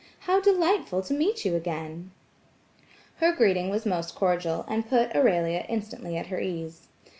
How delightful to meet you again." Her greeting was most cordial, and put Aurelia instantly at her ease.